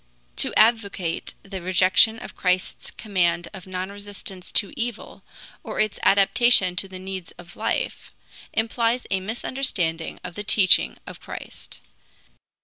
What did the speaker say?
To advocate the rejection of Christ's command of non resistance to evil, or its adaptation to the needs of life, implies a misunderstanding of the teaching of Christ.